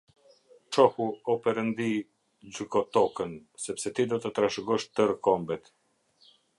Çohu, o Perëndi, gjyko tokën, sepse ti do të trashëgosh tërë kombet.